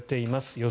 予想